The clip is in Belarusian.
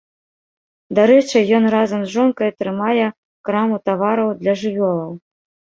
Дарэчы, ён разам з жонкай трымае краму тавараў для жывёлаў.